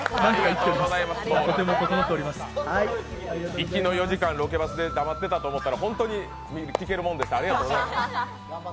行きの４時間、ロケバスで黙っていたと思ったら、本当に聴けるもんでした。